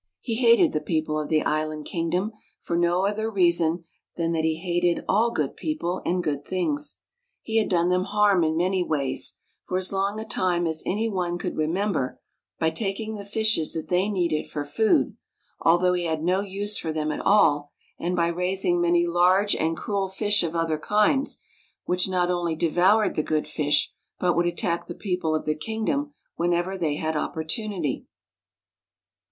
He hated the people of the is land kingdom, for no other rea son than that he hated all good THE CASTLE UNDER THE SEA people and good things. He had done them harm in many ways, for as long a time as any one could remember, by taking the fishes that they needed for food, although he had no use for them at all, and by raising many large and cruel fish of other kinds, which not only devoured the good fish, but would attack the people of the kingdom whenever they had opportunity.